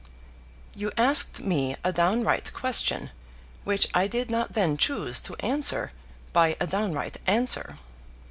You asked me a downright question which I did not then choose to answer by a downright answer.